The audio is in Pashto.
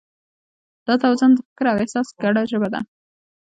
دا توازن د فکر او احساس ګډه ژبه ده.